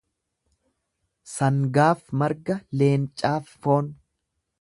Sangaaf marga, leencaaf foon.